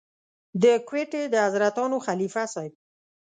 د کوټې د حضرتانو خلیفه صاحب.